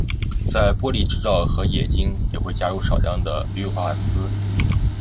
在玻璃制造和冶金也会加入少量的氯化锶。